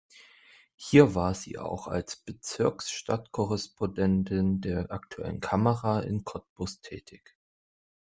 Hier war sie auch als Bezirksstadt-Korrespondentin der "Aktuellen Kamera" in Cottbus tätig.